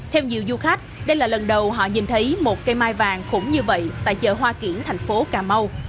theo nhiều du khách đây là lần đầu họ nhìn thấy một cây mai vàng khủng như vậy tại chợ hoa kiển thành phố cà mau